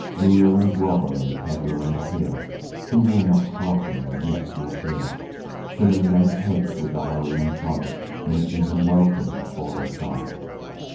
Ruler and robber and pedlar and peer, Who will not harken and yet will hear; Filling men's heads with the hurry and hum Making them welcome before they come.